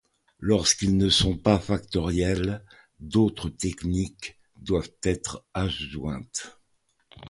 Lorsqu'ils ne sont pas factoriels, d'autres techniques doivent être adjointes.